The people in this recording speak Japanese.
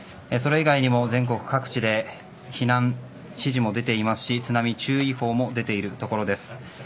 それ以外にも全国各地で避難指示も出ていますし、津波注意報も出ているところです。